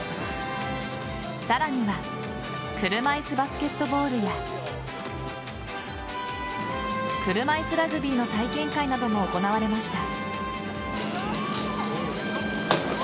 さらには車いすバスケットボールや車いすラグビーの体験会なども行われました。